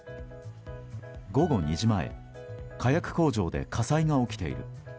午後２時前、火薬工場で火災が起きている。